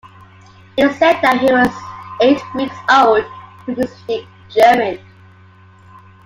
It is said that when he was eight weeks old, he could speak German.